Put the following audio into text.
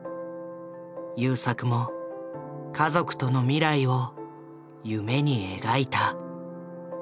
優作も家族との未来を夢に描いた。